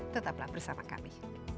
tetaplah bersama kami